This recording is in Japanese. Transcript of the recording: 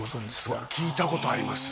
うわっ聞いたことあります